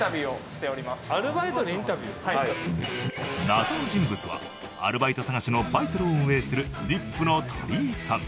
謎の人物はアルバイト探しのバイトルを運営するｄｉｐの鳥居さん